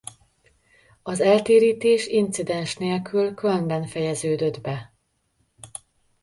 Az eltérítés incidens nélkül Kölnben fejeződött be.